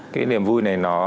cái niềm vui này